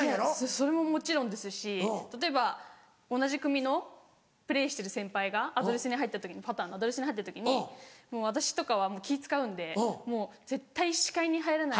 それももちろんですし例えば同じ組のプレーしてる先輩がアドレスに入った時にパターのアドレスに入った時にもう私とかは気使うんでもう絶対視界に入らない。